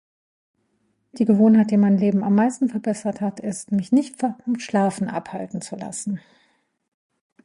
Die Gewohnheit die mein Leben am meisten verbessert hat ist mich nicht vom schlafen abhalten zu lassen.